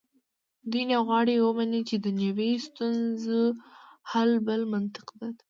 دوی نه غواړي ومني چې دنیوي ستونزو حل بل منطق ته ده.